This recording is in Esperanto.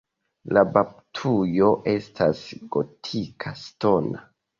La baptujo estas gotika ŝtona.